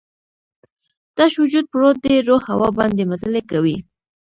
تش وجود پروت دی، روح هوا باندې مزلې کوي